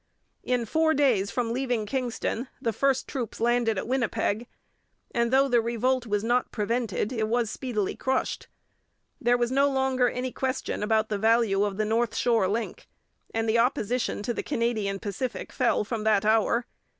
In four days from leaving Kingston the first troops landed at Winnipeg; and though the revolt was not prevented, it was speedily crushed. There was no longer any question about the value of the north shore link, and the opposition to the Canadian Pacific fell from that hour.